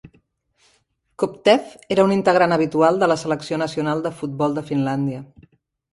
Kopteff era un integrant habitual de la selecció nacional de futbol de Finlàndia.